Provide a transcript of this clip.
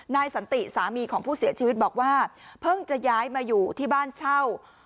สันติสามีของผู้เสียชีวิตบอกว่าเพิ่งจะย้ายมาอยู่ที่บ้านเช่า